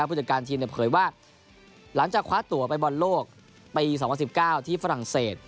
แล้วผู้จัดการทีมเนี้ยเผยว่าหลังจากคว้าตั๋วไปบอลโลกปีสองพันสิบเก้าที่ฝรั่งเศส